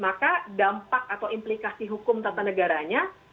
maka dampak atau implikasi hukum tata negaranya